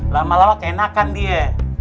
lama lama keenakan dia